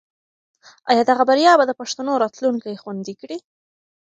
آیا دغه بریا به د پښتنو راتلونکی خوندي کړي؟